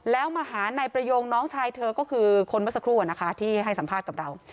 แล้วมาหานายประโยงน้องชายเธอก็คือคนเมื่อสักครู่นะคะที่ให้สัมภาษณ์กับเรา